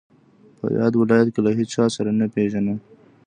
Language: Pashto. په یاد ولایت کې له هیچا سره نه پېژندم.